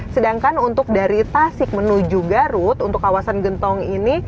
sedangkan untuk dari tasik menuju garut untuk kawasan gentong ini